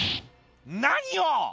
何を。